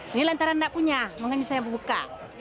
ini lantaran tidak punya makanya saya buka